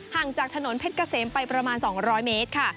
จากถนนเพชรเกษมไปประมาณ๒๐๐เมตรค่ะ